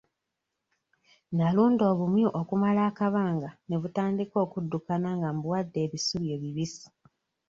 Nalunda obumyu okumala akabanga ne butandika okuddukana nga mbuwadde ebisubi ebibisi.